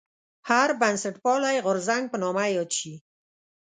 هر بنسټپالی غورځنګ په نامه یاد شي.